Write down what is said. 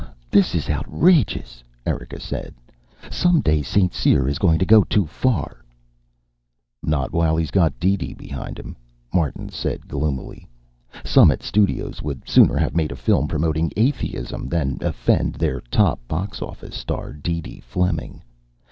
"Oh, this is outrageous," Erika said. "Some day St. Cyr's going to go too far " "Not while he's got DeeDee behind him," Martin said gloomily. Summit Studios would sooner have made a film promoting atheism than offend their top box office star, DeeDee Fleming.